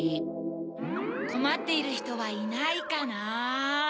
こまっているひとはいないかな？